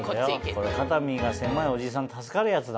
これ肩身が狭いおじさん助かるやつだね。